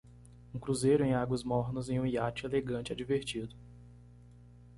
Um cruzeiro em águas mornas em um iate elegante é divertido.